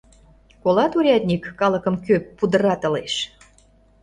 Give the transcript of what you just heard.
Колат, урядник, калыкым кӧ пудыратылеш?